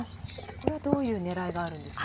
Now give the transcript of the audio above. これはどういう狙いがあるんですか？